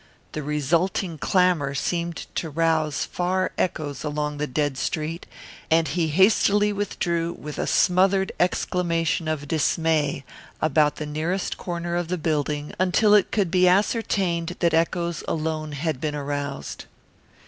The resulting clamour seemed to rouse far echoes along the dead street, and he hastily withdrew, with a smothered exclamation of dismay, about the nearest corner of the building until it could be ascertained that echoes alone had been aroused.